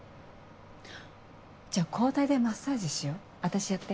じゃあ交代でマッサージしよ私やって。